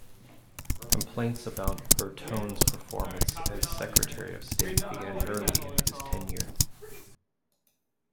Complaints about Bertone's performance as secretary of state began early in his tenure.